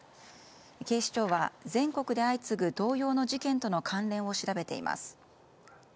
警視庁は全国で相次ぐ同様の事件との関連を調べています。